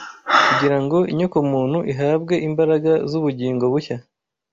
kugira ngo inyokomuntu ihabwe imbaraga z’ubugingo bushya